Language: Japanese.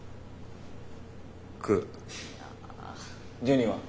ジュニは？